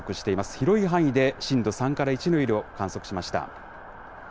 広い範囲で震度３から１の揺れを観測しました。